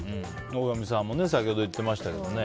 大神さんも先ほど言ってましたね。